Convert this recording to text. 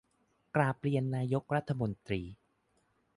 กราบเรียนนายกรัฐมนตรี